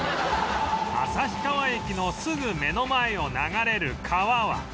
旭川駅のすぐ目の前を流れる川は